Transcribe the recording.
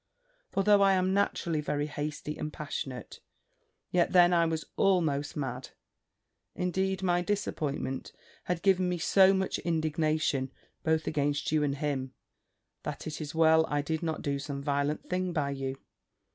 For though I am naturally very hasty and passionate, yet then I was almost mad. Indeed my disappointment had given me so much indignation both against you and him, that it is well I did not do some violent thing by you.